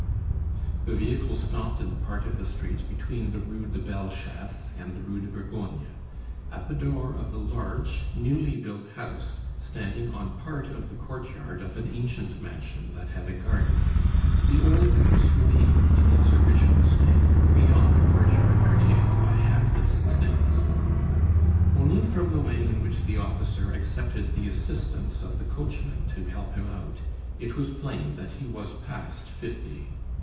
The vehicle stopped in the part of the street between the Rue de Bellechasse and the Rue de Bourgogne, at the door of a large, newly build house, standing on part of the court yard of an ancient mansion that had a garden. The old house remained in its original state, beyond the courtyard curtailed by half its extent. Only from the way in which the officer accepted the assistance of the coachman to help him out, it was plain that he was past fifty.